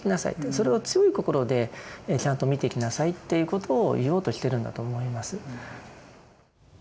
それを強い心でちゃんと見ていきなさいっていうことを言おうとしてるんだと思います。